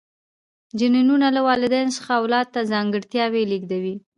جینونه له والدینو څخه اولاد ته ځانګړتیاوې لیږدوي